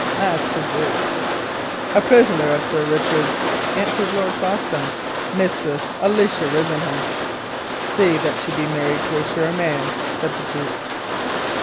asked the duke. "A prisoner of Sir Richard's," answered Lord Foxham; "Mistress Alicia Risingham." "See that she be married to a sure man," said the duke.